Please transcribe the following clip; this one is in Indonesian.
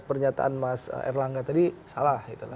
pernyataan mas erlangga tadi salah